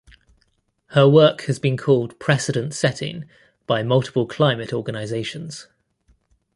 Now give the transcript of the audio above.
Her work has been called "precedent setting" by multiple climate organizations.